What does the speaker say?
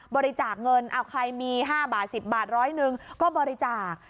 บริจาคเงินเอาใครมี๕บาท๑๐บาทร้อยหนึ่งก็บริจาค